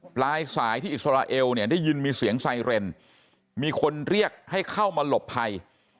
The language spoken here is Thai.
ปลายสายที่อิสราเอลเนี่ยได้ยินมีเสียงไซเรนมีคนเรียกให้เข้ามาหลบภัย